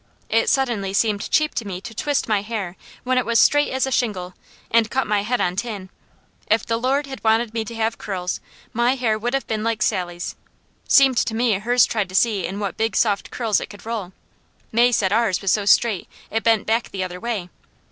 It suddenly seemed cheap to me to twist my hair when it was straight as a shingle, and cut my head on tin. If the Lord had wanted me to have curls, my hair would have been like Sally's. Seemed to me hers tried to see into what big soft curls it could roll. May said ours was so straight it bent back the other way.